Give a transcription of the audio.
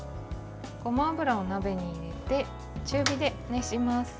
ごま油を鍋に入れて中火で熱します。